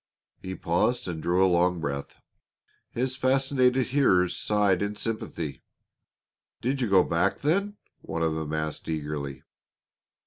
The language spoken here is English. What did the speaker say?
He paused and drew a long breath; his fascinated hearers sighed in sympathy. "Did you go back then?" one of them asked eagerly.